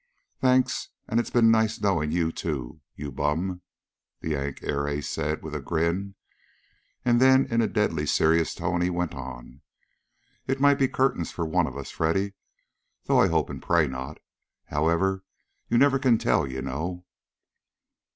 "Thanks, and it's been nice knowing you, you bum!" the Yank air ace said with a grin. And then in a deadly serious tone he went on, "It might be curtains for one of us, Freddy, though I hope and pray not. However, you never can tell, you know."